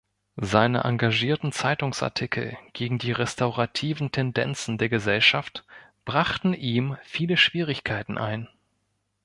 Seine engagierten Zeitungsartikel gegen die restaurativen Tendenzen der Gesellschaft brachten ihm viele Schwierigkeiten ein.